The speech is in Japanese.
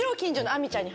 亜美ちゃんも？